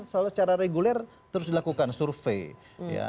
secara reguler terus dilakukan survei